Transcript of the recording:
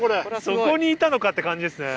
そこにいたのかって感じですね。